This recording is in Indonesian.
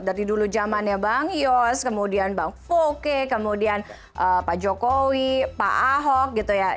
dari dulu zamannya bang yos kemudian bang foke kemudian pak jokowi pak ahok gitu ya